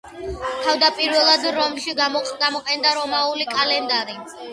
თავდაპირველად რომში გამოიყენებოდა რომაული კალენდარი.